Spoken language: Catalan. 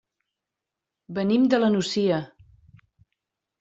Venim de la Nucia.